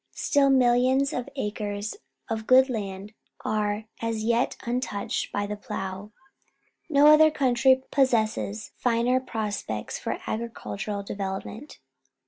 Still millions of acres of good land are as yet untouched by the plough. No other country possesses finer prospects for agricultural development.